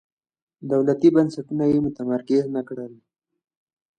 دولتي بنسټونه یې متمرکز نه کړل.